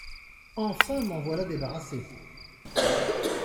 Enfin m’en voilà débarrassée.